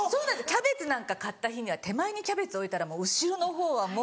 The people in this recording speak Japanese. キャベツなんか買った日には手前にキャベツ置いたらもう後ろの方はもう。